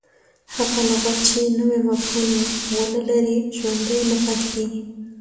هغه لغت، چي نوی مفهوم و نه لري، ژوندی نه پاته کیږي.